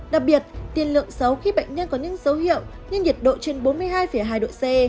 đặc biệt tiền lượng xấu khi bệnh nhân có những dấu hiệu như nhiệt độ trên bốn mươi hai hai độ c